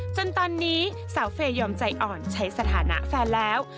จนตอนนี้สาวเฟย์ยอมใจอ่อนใช้สถานะแฟนแล้ว